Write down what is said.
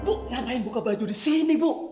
bu ngapain buka baju disini bu